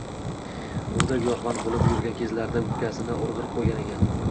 Oʼvda giyohvand boʼlib yurgan kezlarida oʼpkasini urdirib qoʼygan ekan.